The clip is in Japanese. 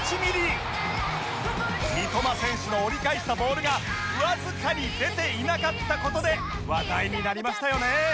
三笘選手の折り返したボールがわずかに出ていなかった事で話題になりましたよね